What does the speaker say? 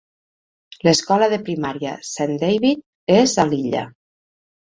L'escola de primària Saint David és a l'illa.